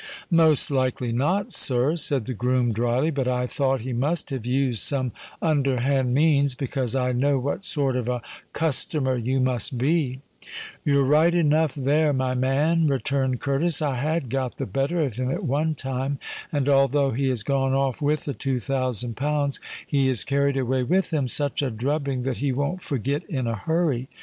"Most likely not, sir," said the groom drily. "But I thought he must have used some underhand means, because I know what sort of a customer you must be." "You're right enough there, my man," returned Curtis. "I had got the better of him at one time; and although he has gone off with the two thousand pounds, he has carried away with him such a drubbing that he won't forget in a hurry.